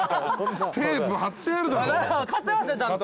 買ってますねちゃんと。